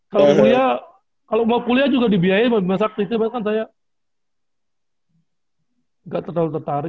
kalau mau kuliah juga dibiayai mas masa aktivitas kan saya nggak terlalu tertarik